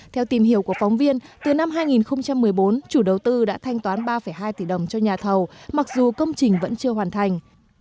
theo tìm hiểu của phóng viên từ năm hai nghìn một mươi bốn chủ đầu tư đã thanh toán ba hai tỷ đồng cho nhà thầu mặc dù công trình vẫn chưa hoàn thành